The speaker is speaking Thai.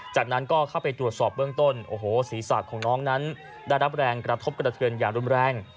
จากนั้นก็เข้าไปตรวจสอบเบื้องต้นโอ้โหศีรษะของน้องนั้นได้รับแรงกระทบกระเทือนอย่างรุนแรง